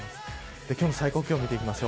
今日の最高気温です。